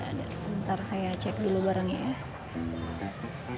ada sebentar saya cek dulu barangnya ya